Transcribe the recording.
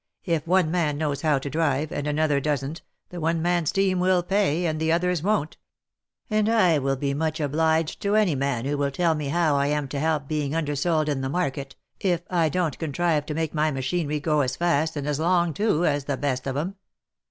If one man knows how to drive, and another doesn't, the one man's team will pay, and the other's won't ; and I will be much obliged to any man who will tell me how I am to help being undersold in the market, if I don't contrive to make my machinery go as fast, and as long too, as the best of 'em.